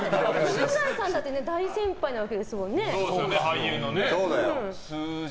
犬飼さんだって大先輩なわけですもんね。